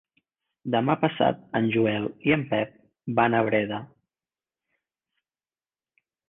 Demà passat en Joel i en Pep van a Breda.